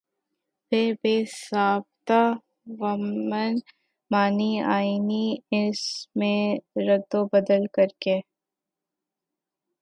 پھر بےضابطہ ومن مانی آئینی اس میں ردوبدل کرکے